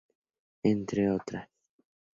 Entre otras...